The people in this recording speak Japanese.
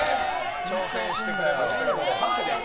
挑戦してくれました。